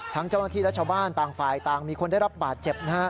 เจ้าหน้าที่และชาวบ้านต่างฝ่ายต่างมีคนได้รับบาดเจ็บนะฮะ